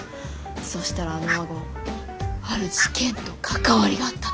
そしたらあのワゴンある事件と関わりがあったの。